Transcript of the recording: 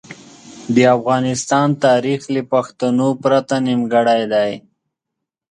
د افغانستان تاریخ له پښتنو پرته نیمګړی دی.